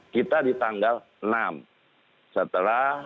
kita di tanggal enam